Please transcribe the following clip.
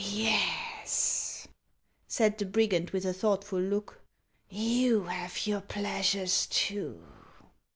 " Yes," said the brigand, with a thoughtful look, " you have your pleasures too."